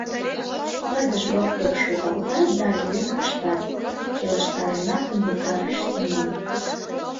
— Пырдыж воктек шогалтат да лӱен пыштат, — келыштаренак умылтарыш Семон.